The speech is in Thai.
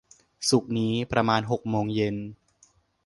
ศุกร์นี้ ประมาณหกโมงเย็น